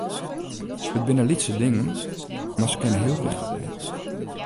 It binne lytse dingen, mar se kinne heel wichtich wêze.